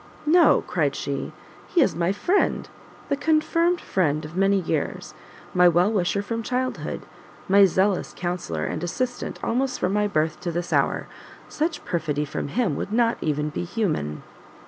"No," cried she, "he is my friend, the confirmed friend of many years, my well wisher from childhood, my zealous counsellor and assistant almost from my birth to this hour: such perfidy from him would not even be human!"